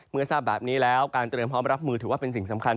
เมื่อทราบแบบนี้แล้วการเตรียมพร้อมรับมือถือว่าเป็นสิ่งสำคัญ